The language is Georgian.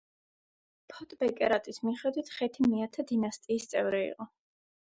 ფონ ბეკერათის მიხედვით ხეთი მეათე დინასტიის წევრი იყო.